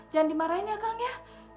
jangan dimarahin ya kang ya